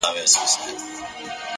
هره تجربه د راتلونکي لارښود ګرځي.